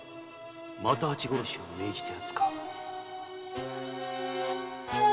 又八殺しを命じた奴か